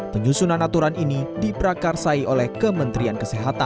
penyusunan aturan ini diprakarsai oleh kementerian kesehatan